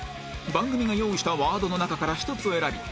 番組が用意したワードの中から１つを選び